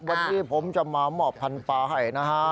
วันนี้ผมจะมาหมอบพันธุ์ปลาให้นะฮะ